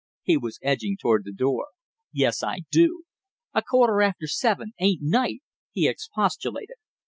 He was edging toward the door. "Yes, I do!" "A quarter after seven ain't night!" he expostulated.